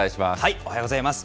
おはようございます。